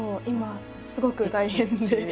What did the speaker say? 今すごく大変で。